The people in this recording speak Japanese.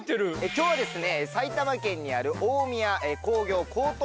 今日はですね